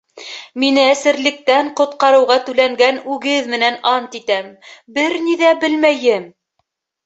— Мине әсирлектән ҡотҡарыуға түләнгән үгеҙ менән ант итәм: бер ни ҙә белмәйем!